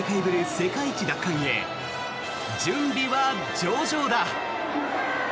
世界一奪還へ準備は上々だ。